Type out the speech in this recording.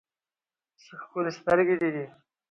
څه ښکلي سترګې دې دي